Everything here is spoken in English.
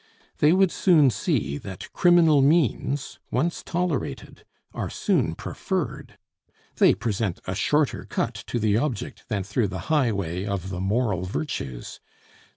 They would soon see that criminal means, once tolerated, are soon preferred. They present a shorter cut to the object than through the highway of the moral virtues.